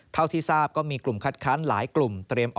เท่าที่ทราบก็มีกลุ่มคัดค้านหลายกลุ่มเตรียม